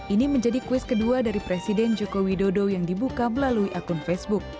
ini menjadi kuis kedua dari presiden joko widodo yang dibuka melalui akun facebook